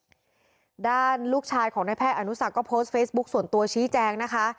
ด้านลูกชายของนายแพทย์อนุสักก็โพสต์เฟซบุ๊คส่วนตัวชี้แจงนะคะ